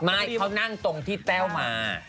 ไม่เขานั่งตรงที่แต้วมา